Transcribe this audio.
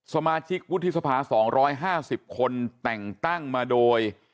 สมาชิกวุฒิสภา๒๕๐คนแต่งตั้งมาโดย